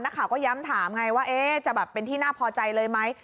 นักข่าวก็ย้ำถามไงว่าจะแบบเป็นที่น่าพอใจเลยไหม